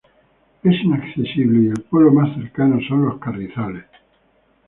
Es inaccesible y el pueblo más cercano son Los Carrizales.